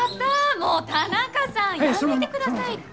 もう田中さんやめてくださいって。